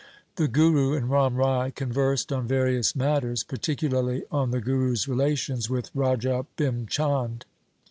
The Guru and Ram Rai conversed on various matters, particularly on the Guru's relations with Raja Bhim Chand.